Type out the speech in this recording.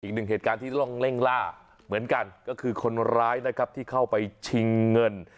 อีกหนึ่งเหตุการณ์ที่ต้องเร่งล่าเหมือนกันก็คือคนร้ายนะครับที่เข้าไปชิงเงิน